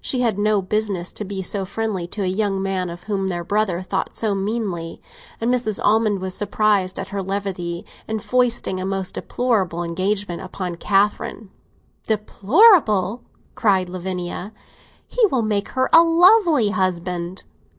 She had no business to be so friendly to a young man of whom their brother thought so meanly, and Mrs. Almond was surprised at her levity in foisting a most deplorable engagement upon Catherine. "Deplorable?" cried Lavinia. "He will make her a lovely husband!"